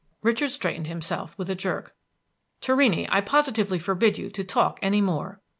Richard straightened himself with a jerk. "Torrini, I positively forbid you to talk any more!"